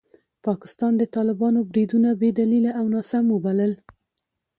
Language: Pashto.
پاکستان د طالبانو بریدونه بې دلیله او ناسم وبلل.